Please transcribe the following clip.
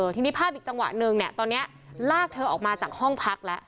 ทีนี้ภาพอีกจังหวะนึงเนี่ยตอนนี้ลากเธอออกมาจากห้องพักแล้ว